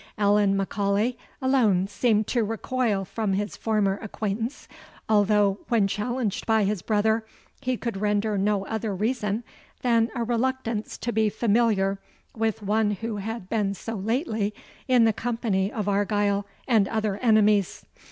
Allan M'Aulay alone seemed to recoil from his former acquaintance, although, when challenged by his brother, he could render no other reason than a reluctance to be familiar with one who had been so lately in the company of Argyle, and other enemies.